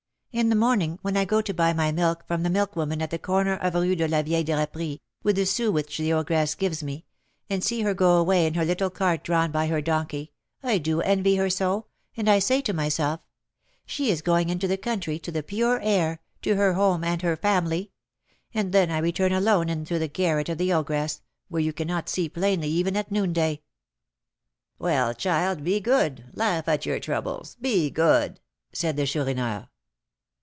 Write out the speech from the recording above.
In the morning, when I go to buy my milk from the milkwoman at the corner of Rue de la Vieille Draperie, with the sous which the ogress gives me, and see her go away in her little cart drawn by her donkey, I do envy her so, and I say to myself, 'She is going into the country, to the pure air, to her home and her family;' and then I return alone into the garret of the ogress, where you cannot see plainly even at noonday." "Well, child, be good laugh at your troubles be good," said the Chourineur.